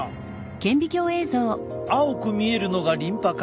青く見えるのがリンパ管。